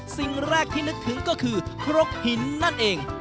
สิ่งแรกที่นึกถึงก็คือครกหินนั่นเอง